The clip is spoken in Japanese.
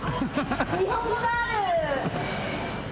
日本語がある！